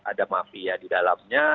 ada mafia di dalamnya